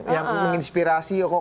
yang menginspirasi kok